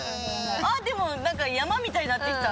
ああでもなんか山みたいになってきた。